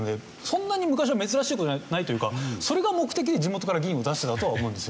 そんなに昔は珍しい事じゃないというかそれが目的で地元から議員を出してたとは思うんですよね。